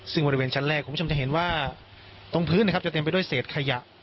ซึ่งบริเวณชั้นแรกคุณผู้ชมจะเห็นว่าตรงพื้นนะครับจะเต็มไปด้วยเศษขยะ